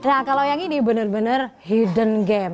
nah kalau yang ini bener bener hidden gem